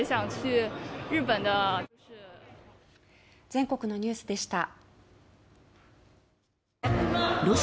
全国のニュースでした。